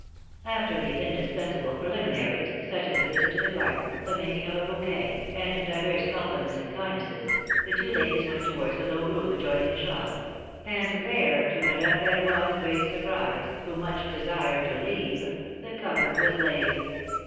After the indispensable preliminaries, such as a visit to the garden, the making of a bouquet, and divers compli ments and kindnesses, the two ladies went towards the low room adjoining the shop; and there, to Madame Verroy's great surprise, who much desired to leave, ^4he cover was laid.